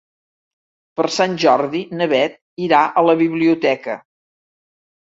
Per Sant Jordi na Beth irà a la biblioteca.